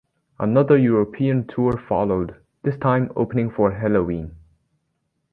Another European tour followed, this time opening for Helloween.